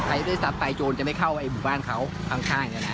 ไม่ได้ทราบไตโจรจะไม่เข้าไอ้บุตรบ้านเขาข้างอย่างนี้นะ